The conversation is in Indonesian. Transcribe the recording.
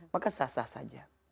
maka sah sah saja